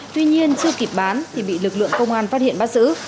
tuy nhiên chưa kịp bán thì bị lực lượng công an phát hiện bắt giữ